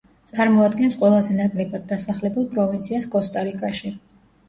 წარმოადგენს ყველაზე ნაკლებად დასახლებულ პროვინციას კოსტა-რიკაში.